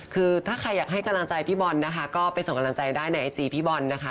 คือถ้าใครอยากให้กำลังใจพี่บอลนะคะก็ไปส่งกำลังใจได้ในไอจีพี่บอลนะคะ